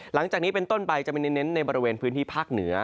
หลังจากนี้เป็นต้นไปจะไปเน้นในบริเวณพื้นที่ภาคเหนือ